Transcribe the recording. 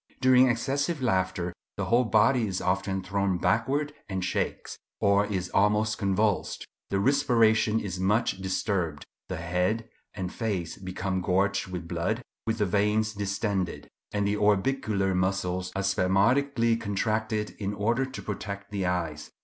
During excessive laughter the whole body is often thrown backward and shakes, or is almost convulsed; the respiration is much disturbed; the head and face become gorged with blood, with the veins distended; and the orbicular muscles are spasmodically contracted in order to protect the eyes.